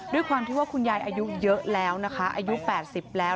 ด้วยความที่ว่าคุณยายอายุเยอะแล้วนะคะอายุ๘๐แล้ว